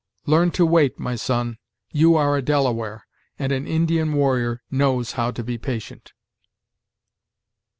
Learn to wait, my son, you are a Delaware, and an Indian warrior knows how to be patient."